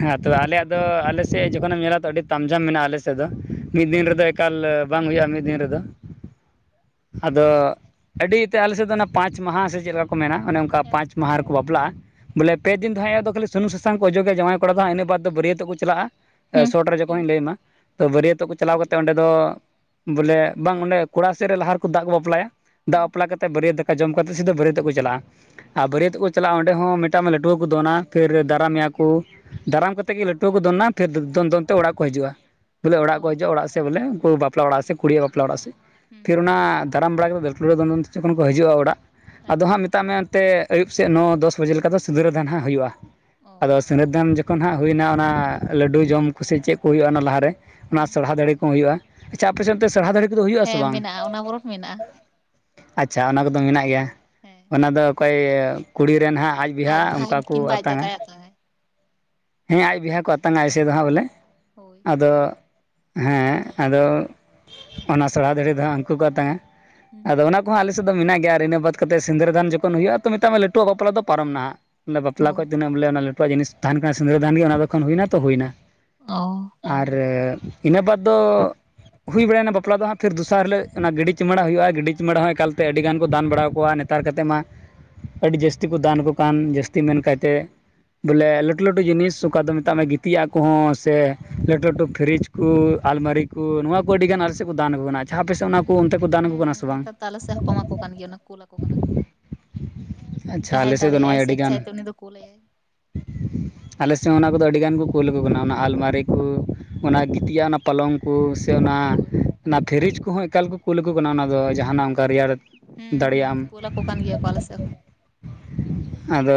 ᱦᱮᱸ ᱛᱚ ᱟᱞᱮᱭᱟᱜ ᱫᱚ ᱟᱞᱮ ᱥᱮᱜ ᱡᱚᱠᱷᱚᱱᱮᱢ ᱧᱮᱞᱟ ᱛᱚ ᱟᱹᱰᱤ ᱛᱟᱢ ᱡᱷᱟᱢ ᱢᱮᱱᱟᱜᱼᱟ ᱟᱞᱮ ᱥᱮᱫ ᱫᱚ᱾ ᱢᱤᱫ ᱚ ᱫᱤᱱ ᱨᱮᱫᱚ ᱮᱠᱟᱞ ᱵᱟᱝ ᱦᱩᱭᱩᱜᱼᱟ ᱢᱤᱫ ᱫᱤᱱ ᱨᱮᱫᱚ ᱟᱫᱚ ᱟᱹᱰᱤ ᱛᱮ ᱟᱞᱮᱥᱮᱫ ᱫᱚ ᱚᱱᱟ ᱯᱟᱸᱪ ᱢᱟᱦᱟ ᱥᱮ ᱪᱮᱫ ᱞᱮᱠᱟ ᱠᱚ ᱢᱮᱱᱟ ᱚᱱᱮ ᱚᱱᱠᱟ ᱦᱮᱸ ᱯᱟᱸᱪ ᱢᱟᱦᱟ ᱨᱮᱠᱚ ᱵᱟᱯᱞᱟᱜᱼᱟ ᱵᱚᱞᱮ᱾ ᱯᱮ ᱫᱤᱱ ᱫᱚ ᱦᱟᱸᱜ ᱮ ᱫᱚ ᱠᱷᱟᱞᱤ ᱥᱩᱱᱩᱢ ᱥᱟᱥᱟᱝ ᱠᱚ ᱚᱡᱚᱜᱮ ᱡᱟᱶᱟᱭ ᱠᱚᱲᱟ ᱫᱚ ᱦᱟᱸᱜ, ᱤᱱᱟᱹ ᱵᱟᱫ ᱫᱚ ᱵᱟᱹᱨᱭᱟᱹᱛᱚᱜ ᱠᱚ ᱪᱟᱞᱟᱜᱼᱟ᱾ ᱦᱩᱸ ᱥᱚᱴ ᱨᱮ ᱡᱚᱠᱷᱚᱱᱮᱧ ᱞᱟᱹᱭ ᱢᱟ᱾ ᱛᱚ ᱵᱟᱹᱨᱭᱟᱹᱛᱚᱜ ᱠᱚ ᱪᱟᱞᱟᱣ ᱠᱟᱛᱮ ᱚᱸᱰᱮ ᱫᱚ ᱵᱚᱞᱮ ᱵᱟᱝ ᱚᱸᱰᱮ ᱠᱚᱲᱟ ᱥᱮᱫ ᱨᱮ ᱞᱟᱦᱟ ᱨᱮᱠᱚ ᱫᱟᱜ ᱠᱚ ᱵᱟᱯᱞᱟᱭᱟ᱾ ᱫᱟᱜ ᱦᱩᱸ ᱵᱟᱯᱞᱟ ᱠᱟᱛᱮᱜ ᱵᱟᱹᱨᱭᱟᱹᱛ ᱫᱟᱠᱟ ᱡᱚᱢ ᱠᱟᱛᱮ ᱥᱤᱫᱷᱟᱹ ᱵᱟᱹᱨᱭᱟᱹᱛᱚᱜ ᱠᱚ ᱪᱟᱞᱟᱜᱼᱟ ᱟᱨ ᱵᱟᱹᱨᱭᱟᱹᱛᱚᱜ ᱠᱩ ᱪᱟᱞᱟᱜᱼᱟ ᱚᱸᱰᱮ ᱦᱚᱸ ᱢᱮᱴᱟᱜ ᱢᱮ ᱞᱟᱹ ᱯᱩᱨᱟᱹ ᱠᱩ ᱫᱚᱱᱟ ᱯᱷᱤᱨ ᱫᱟᱨᱟᱢ ᱢᱮᱭᱟ ᱠᱩ᱾ ᱫᱟᱨᱟᱢ ᱠᱟᱛᱮᱜ ᱜᱮ ᱞᱟᱹᱴᱩ ᱦᱚᱠᱚ ᱫᱚᱱᱟ, ᱯᱷᱤᱨ ᱫᱚᱱ ᱫᱚᱱ ᱛᱮ ᱚᱲᱟᱜ ᱠᱚ ᱦᱤᱡᱩᱜᱼᱟ᱾ ᱵᱚᱞᱮ ᱚ ᱚᱲᱟᱜ ᱠᱚ ᱦᱤᱡᱩᱜᱼᱟ ᱚᱲᱟᱜ ᱥᱮ ᱵᱚᱞᱮ ᱩᱱᱠᱩ ᱵᱟᱯᱞᱟ ᱚᱲᱟᱜ ᱥᱮ ᱠᱩᱲᱤᱭᱟᱜ ᱵᱟᱯᱞᱟ ᱚᱲᱟᱜ ᱥᱮ ᱦᱩᱸ ᱯᱷᱤᱨ ᱦᱩᱸ ᱚᱱᱟ᱾ ᱛᱟᱲᱟᱢ ᱵᱟᱲᱟ ᱠᱟᱛᱮᱜ ᱞᱟᱹᱴᱩᱲᱟ ᱫᱚᱱ ᱫᱚᱱ ᱛᱮ ᱡᱚᱠᱷᱚᱱ ᱠᱚ ᱦᱤᱡᱩᱜᱼᱟ ᱚᱲᱟᱜ᱾ ᱦᱮᱸ ᱟᱫᱚ ᱦᱟᱸᱜ ᱢ ᱛᱟᱜ ᱢᱮ ᱚᱱᱛᱮ ᱟᱹᱭᱩᱵ ᱥᱮᱜ ᱱᱚ ᱫᱚᱥ ᱵᱟᱡᱮ ᱞᱮᱠᱟ ᱫᱚ ᱥᱤᱸᱫᱽᱨᱟᱹᱫᱟᱱ ᱦᱟᱸᱜ ᱦᱩᱭᱩᱜᱼᱟ᱾ ᱚ ᱟᱫᱚ ᱥᱤᱸᱫᱽ -ᱫᱟᱱ ᱡᱚᱠᱷᱚᱱ ᱦᱟᱸᱜ ᱦᱩᱭᱱᱟ ᱚᱱᱟ ᱞᱟᱹᱰᱩ ᱡᱚᱢ ᱠᱩᱥᱤ ᱪᱮᱜ ᱠᱚ ᱦᱩᱭᱩᱜᱼᱟ ᱚᱱᱟ ᱞᱟᱦᱟᱨᱮ ᱚᱱᱟ ᱦᱩᱸ ᱥᱚᱞᱦᱟ ᱫᱟᱹᱲᱦᱤ ᱠᱚ ᱦᱩᱭᱩᱜᱼᱟ᱾ ᱟᱪᱼᱪᱷᱟ ᱟᱯᱮ ᱥᱮᱜ ᱚᱱᱛᱮ ᱥᱟᱨᱦᱟ ᱫᱟᱹᱲᱦᱤ ᱠᱚᱫᱚ ᱦᱩᱭᱩᱜ ᱟ ᱥᱮ ᱦᱮᱸ ᱵᱟᱝ? ᱢᱮᱱᱟᱜᱼᱟ ᱚᱱᱟ ᱵᱚᱨᱚᱱ ᱢᱮᱱᱟᱜᱼᱟ ᱟᱪᱪᱷᱟ ᱚᱱᱟ ᱠᱚᱫᱚ ᱢᱮᱱᱟᱜ ᱜᱮᱭᱟ ᱦᱮᱸ ᱚᱱᱟ ᱫᱚ ᱚᱠᱚᱭ ᱠᱩᱲᱤᱨᱮᱱ ᱦᱟᱸᱜ ᱟᱡᱼᱼ ᱵᱤᱦᱟ ᱚᱱᱠᱟ ᱠᱚ ᱟᱛᱟᱝᱼᱟ᱾ ᱦᱮᱸ ᱟᱡ ᱜᱮᱦᱟ ᱠᱚ ᱟᱛᱟᱝᱼᱟ ᱟᱡ ᱥᱮᱫ ᱫᱚᱸᱜ ᱵᱚᱞᱮᱼᱼ ᱦᱳᱭ ᱟᱫᱚ ᱦᱮᱸ ᱟᱫᱚ ᱚᱱᱟ ᱥᱟᱞᱟ ᱫᱟᱹᱦᱲᱮ ᱫᱚ ᱩᱱᱠᱩ ᱠᱚ ᱛᱟᱝᱼᱟ᱾ ᱦᱩᱸ ᱟᱫᱚ ᱚᱱᱟ ᱠᱚᱦᱚᱸ ᱟᱞᱮᱼᱼ [inaudible] ᱫᱚ ᱢᱮᱱᱟᱜ ᱜᱮᱭᱟ ᱤᱱᱟᱹ ᱵᱟᱫ ᱠᱟᱛᱮ ᱥᱤᱸᱫᱽᱨᱟᱹᱫᱟᱱ ᱡᱚᱠᱷᱚᱱ ᱦᱩᱭᱩᱜᱼᱟ ᱛᱚ ᱢᱮᱛᱟᱜ ᱢᱮ ᱞᱟᱹᱴᱩᱣᱟᱜ ᱵᱟᱯᱞᱟ ᱫᱚ ᱯᱟᱨᱚᱢ ᱱᱟᱦᱟᱜ ᱵᱟᱯᱞᱟ ᱠᱷᱚᱡ ᱦᱳᱭ ᱠᱷᱚᱱ ᱛᱤᱱᱟᱹᱜᱼᱼ ᱵᱚᱞᱮ ᱚᱱᱟ ᱞᱟᱹᱴᱩᱣᱟᱜ ᱡᱤᱱᱤᱥ ᱛᱟᱦᱮᱱ ᱠᱟᱱᱟ ᱥᱤᱸᱫᱽᱨᱟᱹ ᱫᱟᱱ ᱜᱮ ᱚᱱᱟ ᱫᱚᱱ ᱦᱩᱭᱱᱟ ᱛᱚ ᱦᱩᱭᱱᱟ᱾ ᱚᱸ ᱟᱨ ᱤᱱᱟᱹ ᱵᱟᱫ ᱫᱚᱼᱼ ᱦᱩᱭ ᱵᱟᱲᱟᱭᱱᱟ ᱵᱟᱯᱞᱟ ᱫᱚ ᱦᱟᱸᱜ ᱯᱷᱤᱨ ᱫᱚᱥᱟᱨ ᱦᱤᱞᱳᱜ ᱜᱤᱰᱤ ᱪᱩᱢᱟᱹᱲᱟ ᱦᱩᱭᱩᱜᱼᱟ, ᱜᱤᱰᱤ ᱪᱩᱢᱟᱹᱲᱟ ᱦᱚᱸ ᱮᱠᱟᱞᱛᱮ ᱟᱹᱰᱤ ᱜᱟᱱ ᱠᱚ ᱫᱟᱱ ᱵᱟᱲᱟ ᱠᱚᱣᱟ᱾ ᱱᱮᱛᱟᱨ ᱠᱟᱛᱮᱫ ᱢᱟ ᱟᱹᱰᱤ ᱡᱟᱹᱥᱛᱤ ᱠᱚ ᱫᱟᱱ ᱠᱚ ᱠᱟᱱ ᱡᱟᱹᱥᱛᱤ ᱢᱮᱱ ᱠᱟᱭᱛᱮ ᱵᱚᱞᱮ ᱞᱟᱹᱴᱩᱼᱼ ᱞᱟᱹᱴᱩ ᱞᱟᱹᱴᱩ ᱡᱤᱱᱤᱥ ᱚᱠᱟ ᱫᱚ ᱢᱮᱛᱟᱜ ᱦᱩᱸ ᱢᱮ ᱜᱤᱛᱤᱡᱟᱜ ᱠᱚᱦᱚᱸ ᱥᱮ ᱞᱟᱹᱴᱩ ᱞᱟᱹᱴᱩ ᱦᱩᱸ ᱯᱷᱨᱤᱡᱼᱼ ᱠᱩ ᱟᱞᱢᱟᱨᱤ ᱠᱩ ᱱᱚᱣᱟ ᱠᱚ ᱟᱹᱰᱤ ᱜᱟᱱ ᱟᱞᱮᱥᱮᱜ ᱠᱚ ᱫᱟᱱ ᱟᱠᱚ ᱠᱟᱱᱟ᱾ ᱟᱯᱮᱥᱮᱜ ᱚᱱᱟ ᱦᱩᱸ ᱠᱩ ᱚᱱᱛᱮ ᱠᱚ ᱫᱟᱱ ᱟᱠᱚ ᱦᱩᱸ ᱠᱟᱱᱟ ᱥᱮ ᱵᱟᱝᱼᱼ ᱱᱮᱛᱟᱨ ᱫᱚ ᱟᱞᱮ ᱥᱮᱫ ᱦᱚᱸᱠᱚ ᱮᱢᱟ ᱠᱚ ᱠᱟᱱ ᱜᱮᱭᱟ ᱚᱱᱟ ᱠᱩᱞᱟᱠᱚ ᱠᱟᱱᱟ ᱠᱚ ᱟᱪᱪᱷᱟ ᱟᱞᱮ ᱡᱟᱦᱟᱸᱭ ᱥᱮᱜ ᱫᱚ ᱱᱚᱜᱼᱚᱭ ᱫᱟᱲᱮᱭᱟᱜ-ᱟᱭ ᱥᱮ ᱟᱹᱰᱤᱜᱟᱱ᱾ ᱤᱪᱪᱷᱟᱭ ᱛᱮ ᱩᱱᱤ ᱫᱚ ᱠᱩᱞᱟᱭᱟᱭ ᱟᱞᱮ ᱥᱮᱜ ᱦᱚᱸ ᱚᱱᱟ ᱠᱚᱫᱚ ᱟᱹᱰᱤ ᱜᱟᱱ ᱠᱚ ᱠᱩᱞ ᱟᱠᱩ ᱠᱟᱱᱟ ᱚᱱᱟ ᱟᱞᱢᱟᱨᱤ ᱠᱩ ᱚᱱᱟ ᱜᱤᱛᱤᱡᱟᱜ ᱚᱱᱟ ᱯᱟᱞᱚᱝᱼᱼ ᱠᱩ ᱥᱮ ᱚᱱᱟ ᱦᱳᱭ ᱚᱱᱟ ᱯᱷᱤᱨᱤᱡᱽ ᱠᱚᱦᱚ ᱮᱠᱟᱞ ᱠᱚ ᱠᱩᱞᱟᱠᱩ ᱠᱟᱱᱟ ᱚᱱᱟ ᱫᱚ ᱡᱟᱦᱟᱱᱟᱜ ᱚᱱᱠᱟ ᱨᱮᱭᱟᱲ᱾ ᱦᱩᱸ ᱦᱩᱸ ᱫᱟᱲᱮᱭᱟᱜ ᱟᱢ ᱠᱳᱞ ᱟᱠᱚᱠᱟᱱ ᱜᱮᱭᱟ ᱠᱚ ᱟᱞᱮ ᱥᱮᱜ ᱦᱚᱸᱼᱼ ᱟᱫᱚ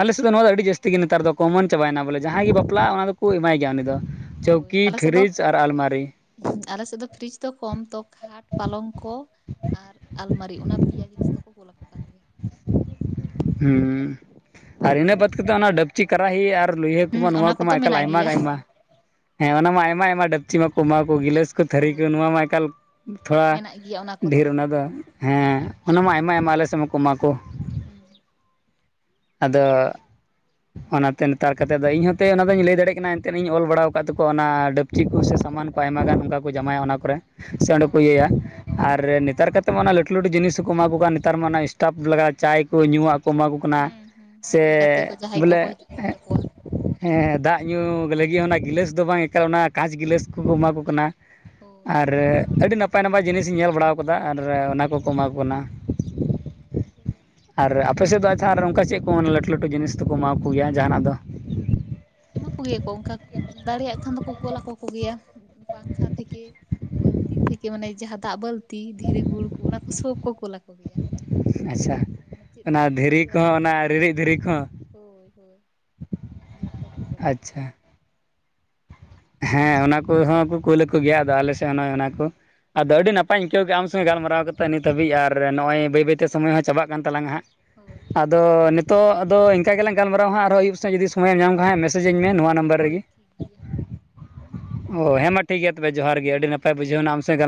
ᱟᱞᱮ ᱥᱮᱜ ᱫᱚ ᱱᱚᱣᱟ ᱜᱮ ᱟᱹᱰᱤ ᱡᱟᱹᱥᱼᱼ ᱛᱤ ᱜᱤ ᱱᱮᱛᱟᱨ ᱫᱚ ᱠᱚᱢᱚᱱ ᱪᱟᱵᱟᱭᱮᱱᱟ ᱵᱚᱞᱮ ᱡᱟᱦᱟᱸᱭ ᱜᱮ ᱵᱟᱯᱞᱟᱜᱟ ᱚᱱᱟ ᱫᱚᱠᱚ ᱮᱢᱟᱭ ᱜᱮᱭᱟ ᱩᱱᱤ ᱫᱚᱼᱼ ᱦᱳᱭ ᱪᱟᱹᱣᱠᱤ ᱟᱞᱮ ᱥᱮᱫ ᱫᱚ ᱯᱷᱤᱨᱤᱡᱽ ᱟᱨ ᱟᱞᱢᱟᱨᱤᱼᱼ ᱟᱞᱮ ᱥᱮᱜ ᱫᱚ ᱯᱷᱨᱤᱡᱽ ᱫᱚ ᱠᱚᱢ ᱛᱚ ᱠᱷᱟᱴ ᱯᱟᱞᱚᱝᱠᱚᱼᱼ ᱟᱨ ᱟᱞᱢᱟᱨᱤ ᱚᱱᱟ ᱯᱮᱭᱟ ᱡᱤᱱᱤᱥ ᱫᱚᱠᱚ ᱠᱳᱞ ᱟᱠᱚ ᱠᱟᱱ ᱜᱮᱭᱟ᱾ ᱦᱩᱸ ᱟᱨ ᱤᱱᱟᱹ ᱵᱟᱫ ᱠᱟᱛᱮᱜ ᱚᱱᱟ ᱰᱟᱹᱯᱪᱤ ᱠᱟᱨᱟᱦᱤ ᱟᱨ ᱞᱩᱭᱦᱟᱹ ᱠᱚᱢᱟ ᱦᱩᱸ ᱱᱚᱣᱟ ᱚᱱᱟ ᱠᱚᱢᱟ ᱠᱚᱛᱚ ᱮᱠᱟᱞ ᱢᱮᱱᱟᱜ ᱟᱭᱢᱟ ᱜᱮᱭᱟ ᱟᱭᱢᱟ᱾ ᱦᱮᱸ ᱚᱱᱟ ᱢᱟ ᱟᱭᱢᱟ ᱟᱭᱢᱟ ᱰᱟᱹᱠᱪᱤ ᱢᱟ ᱠᱩ ᱮᱢᱟ ᱠᱩ ᱜᱤᱞᱟᱹᱥᱼᱼ ᱛᱷᱟᱹᱨᱤ ᱠᱚ ᱦᱳᱭ ᱱᱚᱣᱟ ᱢᱟ ᱮᱠᱟᱞ ᱛᱷᱚᱲᱟ ᱢᱮᱱᱟᱜ ᱜᱮᱭᱟ ᱚᱱᱟ ᱠᱚᱫᱚ ᱰᱷᱤᱨ ᱚᱱᱟᱫᱚᱼᱼ ᱦᱮᱸ ᱚᱱᱟᱢᱟ ᱟᱭᱢᱟ ᱟᱭᱢᱟ ᱟᱞᱮᱥᱮᱱ ᱦᱚᱠᱩ ᱮᱢᱟ ᱠᱚ ᱦᱩᱸ ᱟᱫᱚ ᱚᱱᱟᱛᱮ ᱱᱮᱛᱟᱨ ᱠᱟᱛᱮᱜ ᱫᱚ ᱤᱧ ᱦᱚᱸᱛᱮ ᱚᱱᱟ ᱫᱚᱧ ᱞᱟᱹᱭ ᱫᱟᱲᱮᱜ ᱠᱟᱱᱟ ᱮᱱᱮᱫ ᱤᱧ ᱚᱞ ᱵᱟᱲᱟᱣ ᱟᱠᱟᱜ ᱛᱟᱠᱚᱣᱟ ᱚᱱᱟ ᱰᱟᱹᱠᱼᱼ ᱪᱤ ᱠᱩ ᱥᱮ ᱥᱟᱢᱟᱱ ᱠᱚ ᱟᱭᱢᱟ ᱜᱟᱱ ᱚᱱᱠᱟ ᱠᱚ ᱡᱟᱢᱟᱭᱚᱜ ᱚᱱᱟ ᱠᱚᱨᱮ ᱥᱮ ᱚᱸᱰᱮ ᱚ ᱠᱚ ᱤᱭᱟᱹᱭᱟ ᱦᱩᱸ ᱟᱨ ᱱᱮᱛᱟᱨ ᱠᱟᱛᱮ ᱱᱤᱛᱚᱜ ᱢᱟ ᱚᱱᱟ ᱞᱟᱹᱴᱩ ᱞᱟᱹᱴᱩ ᱡᱤᱱᱤᱥ ᱦᱚᱠᱚ ᱮᱢᱟ ᱠᱚ ᱠᱟᱱ ᱱᱮᱛᱟᱨ ᱢᱟ ᱚᱱᱟ ᱮᱥᱴᱟᱯᱷ ᱞᱮᱠᱟ ᱪᱟᱭ ᱠᱚ ᱧᱩᱣᱟᱜᱼᱼ ᱠᱚ ᱮᱢᱟ ᱠᱚ ᱠᱟᱱᱟ ᱦᱩᱸ ᱦᱩᱸ ᱥᱮ ᱜᱟᱛᱮ ᱠᱚ ᱡᱟᱦᱟᱸᱭ ᱵᱚᱞᱮ ᱠᱚᱠᱚ ᱦᱤᱡᱩᱜ ᱠᱟᱱ ᱛᱟᱠᱚᱣᱟ ᱦᱮᱸ ᱫᱟᱜ ᱧᱩ ᱞᱟᱹᱜᱤᱫ ᱚᱱᱟ ᱜᱤᱞᱟᱹᱥ ᱫᱚ ᱵᱟᱝ ᱮᱠᱟᱞ ᱚᱱᱟ ᱠᱟᱸᱪ ᱜᱤᱞᱟᱹᱥ ᱠᱚᱠᱚ ᱮᱢᱟ ᱠᱚ ᱠᱟᱱᱟ᱾ ᱦᱳᱭ ᱟᱨ ᱟᱹᱰᱤ ᱱᱟᱯ ᱱᱟᱯᱟᱭ ᱱᱟᱯᱟᱭ ᱡᱤᱱᱤᱥᱤᱧ ᱧᱮᱞ ᱵᱟᱲᱟᱣ ᱠᱟᱫᱟ ᱟᱨ ᱚᱱᱟ ᱠᱚᱠᱚ ᱮᱢᱟ ᱠᱚ ᱠᱟᱱᱟ᱾ ᱦᱩ ᱟᱨ ᱟᱯᱮ ᱥᱮᱜ ᱫᱚ ᱟᱪᱷᱟ ᱟᱨ ᱚᱱᱠᱟ ᱪᱮᱜ ᱠᱚ ᱞᱟᱹᱴᱩ ᱞᱟᱹᱴᱩ ᱡᱤᱱᱤᱥ ᱫᱚᱠᱚ ᱮᱢᱟ ᱠᱩᱜᱮᱭᱟ ᱡᱟᱦᱟᱱᱟᱜ ᱫᱚᱼᱼ ᱮᱢᱟ ᱠᱚᱜᱮᱭᱟ ᱠᱚ ᱚᱱᱠᱟ ᱫᱟᱲᱮᱭᱟᱜ ᱠᱷᱟᱱ ᱫᱚᱠᱚ ᱠᱞ ᱟᱠᱚ ᱠᱚᱜᱮᱭᱟ ᱯᱟᱝᱠᱷᱟ ᱛᱷᱮᱠᱮᱼᱼ ᱵᱟᱹᱞᱛᱤ ᱛᱷᱮᱠᱮ ᱚᱱᱮ ᱡᱟᱦᱟ ᱫᱟᱜ ᱵᱟᱹᱞᱛᱤ ᱫᱷᱤᱨᱤ ᱜᱩᱲᱜᱩ ᱚᱱᱟ ᱠᱚ ᱥᱚᱵᱠᱚ ᱠᱳᱞ ᱟᱠᱚ ᱜᱮᱭᱟ᱾ ᱟᱪᱪᱷᱟ ᱢᱟᱱᱮ ᱪᱮᱫ ᱚᱱᱟ ᱦᱚᱸ ᱫᱷᱤᱨᱤ ᱠᱷᱚᱢᱛᱤ ᱫᱚ ᱵᱟᱠᱚ ᱠᱚᱦᱚ ᱫᱚᱦᱚ ᱚᱱᱟ ᱜᱮᱭᱟ ᱨᱤᱨᱤᱫ ᱫᱷᱤᱨᱤ ᱠᱚᱦᱚᱸ ᱦᱳᱭ ᱦᱳᱭ [unintelligible] ᱡᱷᱚᱛᱚ ᱠᱚ ᱠᱳᱞᱼᱟ ᱾ ᱟᱪᱪᱷᱟ ᱦᱮᱸ ᱚᱱᱟ ᱠᱚᱦᱚᱸ ᱠᱚ ᱠᱩᱞ ᱟᱠᱚ ᱜᱮᱭᱟ ᱟᱫᱚ ᱟᱞᱮ ᱥᱮᱜ ᱚᱱᱮ ᱚᱱᱟ ᱠᱩ ᱾ ᱟᱫᱚ ᱟᱹᱰᱤ ᱱᱟᱯᱟᱭ ᱤᱧ ᱟᱹᱭᱠᱟᱹᱣ ᱠᱮᱜᱼᱟ ᱟᱢ ᱥᱚᱸᱜᱮ ᱜᱟᱞᱢᱟᱨᱟᱣ ᱠᱟᱛᱮᱜ ᱱᱤᱛ ᱦᱟᱹᱵᱤᱡ ᱟᱨ ᱱᱚᱜᱼᱚᱭ ᱵᱟᱹᱭ ᱵᱟᱹᱭ ᱛᱮ ᱥᱚᱢᱚᱭ ᱦᱚᱸ ᱪᱟᱵᱟᱜ ᱠᱟᱱ ᱛᱟᱞᱟᱝ ᱟ ᱦᱟᱸᱜ ᱾ ᱦᱚᱭ ᱟᱫᱚ ᱱᱤᱛᱚᱜ ᱟᱫᱚ ᱤᱱᱠᱟ ᱜᱮᱞᱟᱝ ᱜᱟᱞᱢᱟᱨᱟᱣ ᱦᱟᱸᱜ ᱟᱨᱦᱚᱸ ᱟᱹᱭᱩᱵ ᱥᱮᱜ ᱡᱩᱫᱤ ᱥᱚᱢᱚᱭᱮᱢ ᱧᱟᱢ ᱠᱷᱟᱡ ᱢᱮᱥᱮᱡᱽ ᱟᱹᱧ ᱢᱮ ᱱᱚᱣᱟ ᱱᱟ ᱦᱚᱭ ᱴᱷᱤᱠ ᱜᱮᱭᱟ ᱾ ᱦᱚᱭ ᱦᱮᱸ ᱢᱟ ᱴᱷᱤᱠ ᱜᱮᱭᱟ ᱛᱚᱵᱮ ᱡᱚᱦᱟᱨ ᱜᱮ ᱦᱩᱸ ᱟᱹᱰᱤ ᱦᱩᱸ ᱱᱟᱯᱟᱭ ᱵᱩᱡᱷᱟᱹᱣᱱᱟ ᱟᱢ ᱥᱟᱜ ᱜᱟᱞ